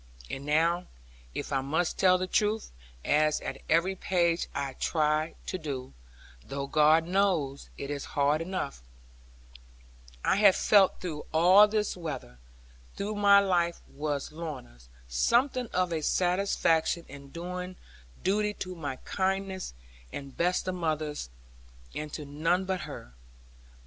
And now, if I must tell the truth, as at every page I try to do (though God knows it is hard enough), I had felt through all this weather, though my life was Lorna's, something of a satisfaction in so doing duty to my kindest and best of mothers, and to none but her.